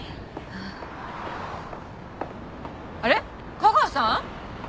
架川さん？